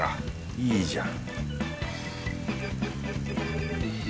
いいじゃん